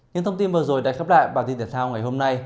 những thông tin vừa rồi đã khép lại bản tin thể thao ngày hôm nay